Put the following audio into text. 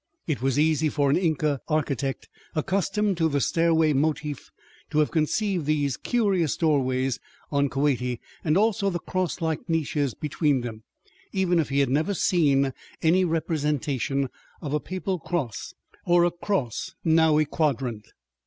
It was easy for an Inca architect, accustomed to the stairway motif, to have conceived these curious doorways on Koati and also the cross like niches between them, even if he had never seen any representation of a Papal cross, or a cross nowy quadrant.